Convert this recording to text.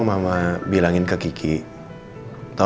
lo tau yang apanya innovation